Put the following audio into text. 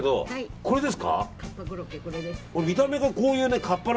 これです。